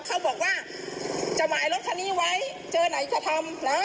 เขาบอกว่าจะหมายรถคันนี้ไว้เจอไหนก็ทำนะหนูไม่เราพูดกันไว้ก่อน